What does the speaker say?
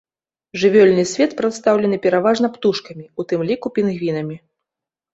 Жывёльны свет прадстаўлены пераважна птушкамі, у тым ліку пінгвінамі.